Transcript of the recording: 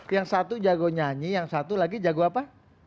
yang satu jago nyanyi yang satu lagi jago apa